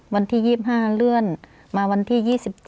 วันที่๒๕เลื่อนมาวันที่๒๗